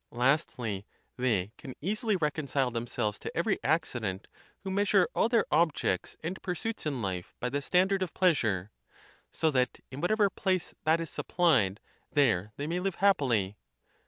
Lastly, they can easily reconcile themselves to every accident who measure all their objects and pur suits in life by the standard of pleasure; so that in what ever place that is supplied, there they may live happily.